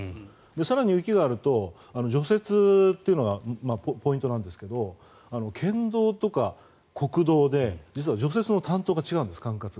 更に、雪があると除雪というのがポイントなんですけど県道とか国道で実は除雪の担当、管轄が違うんです。